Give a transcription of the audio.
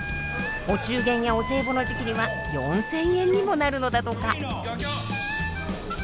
お中元やお歳暮の時期には４，０００円にもなるのだとか。